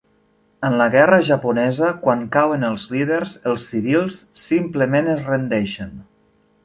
En la guerra japonesa, quan cauen els líders, els civils simplement es rendeixen.